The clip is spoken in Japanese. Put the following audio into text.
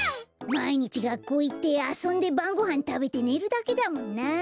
まいにちがっこういってあそんでばんごはんたべてねるだけだもんなあ。